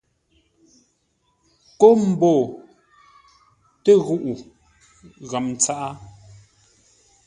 Kómboo tə ghuʼu ghəm tsaʼá.